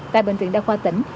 tại bệnh viện đa khoa tỉnh